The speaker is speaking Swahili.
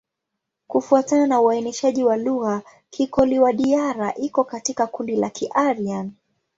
Kufuatana na uainishaji wa lugha, Kikoli-Wadiyara iko katika kundi la Kiaryan.